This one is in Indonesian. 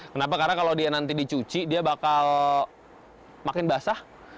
kenapa karena kalau dia nanti dicuci dia bakal makin basah